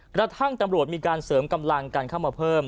กระทั่งตำรวจมีการเสริมกำลังกันเข้ามาเพิ่ม